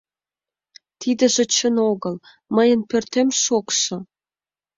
— Тидыже чын огыл, мыйын пӧртем шокшо.